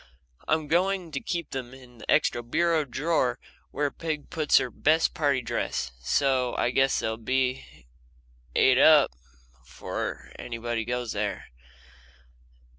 I'm going to keep them in the extra bureau drawer where Peg puts her best party dress, so I guess they'll be et up before anybody goes there.